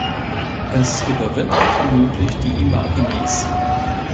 Es überwintern vermutlich die Imagines.